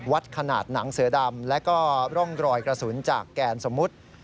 ขนาดหนังเสือดำและก็ร่องรอยกระสุนจากแกนสมมุติ